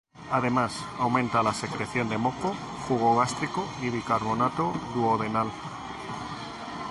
Además, aumenta la secreción de moco, jugo gástrico y bicarbonato duodenal.